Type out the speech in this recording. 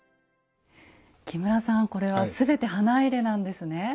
木村さんこれは全て花入なんですね。